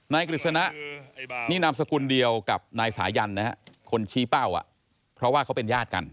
กฤษณะนี่นามสกุลเดียวกับนายสายันนะฮะคนชี้เป้าเพราะว่าเขาเป็นญาติกัน